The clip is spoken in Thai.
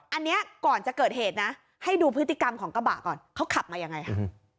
อันนี้ก่อนจะเกิดเหตุนะให้ดูพฤติกรรมของกระบะก่อนเขาขับมายังไงค่ะ